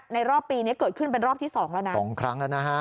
รอบปีนี้เกิดขึ้นเป็นรอบที่สองแล้วนะสองครั้งแล้วนะฮะ